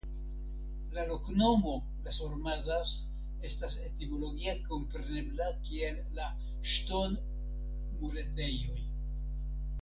La loknomo "Las Hormazas" estas etimologie komprenebla kiel "La Ŝtonmuretejoj".